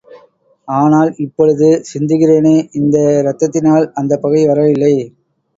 ஆனால், இப்பொழுது சிந்துகிறேனே இந்த இரத்தத்தினால் அந்தப் பகை வரவில்லை.